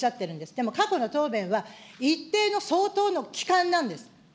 でも過去の答弁は、一定の相当の期間なんです。